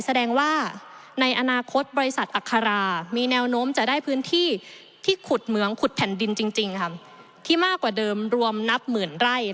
แสดงว่าในอนาคตบริษัทอัครามีแนวโน้มจะได้พื้นที่ที่ขุดเหมืองขุดแผ่นดินจริงที่มากกว่าเดิมรวมนับหมื่นไร่